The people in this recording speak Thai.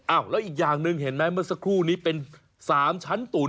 แล้วอีกอย่างหนึ่งเห็นไหมเมื่อสักครู่นี้เป็น๓ชั้นตุ๋น